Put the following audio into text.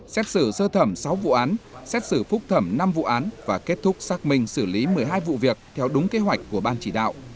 xét xử sơ thẩm sáu vụ án xét xử phúc thẩm năm vụ án và kết thúc xác minh xử lý một mươi hai vụ việc theo đúng kế hoạch của ban chỉ đạo